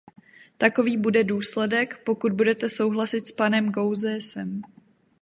Takový bude důsledek, pokud budete souhlasit s panem Gauzèsem.